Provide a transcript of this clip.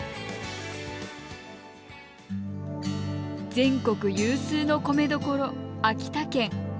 全国有数の米どころ、秋田県。